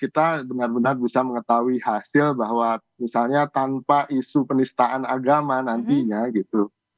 kita benar benar bisa mengetahui hasil bahwa misalnya tanpa isu penistaan agama nantinya gitu